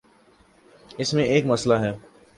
اس میں ایک مسئلہ ہے۔